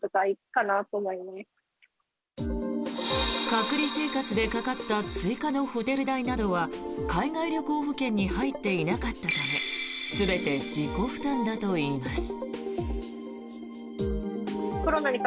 隔離生活でかかった追加のホテル代などは海外旅行保険に入っていなかったため全て自己負担だといいます。